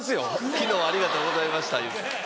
「昨日ありがとうございました」。